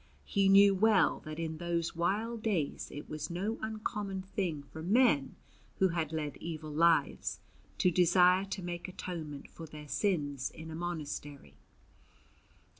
He knew well that in those wild days it was no uncommon thing for men who had led evil lives to desire to make atonement for their sins in a monastery.